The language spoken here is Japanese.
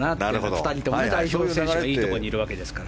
２人とも、代表選手がいいところにいるわけですから。